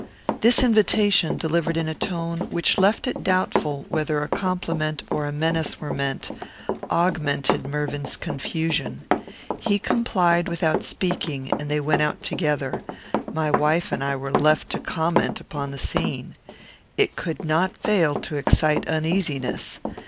This invitation, delivered in a tone which left it doubtful whether a compliment or menace were meant, augmented Mervyn's confusion. He complied without speaking, and they went out together; my wife and I were left to comment upon the scene. It could not fail to excite uneasiness.